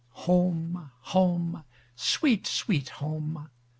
Home, Home, sweet, sweet Home!